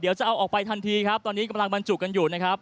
เดี๋ยวจะเอาออกไปทันทีครับตอนนี้กำลังบรรจุกันอยู่นะครับ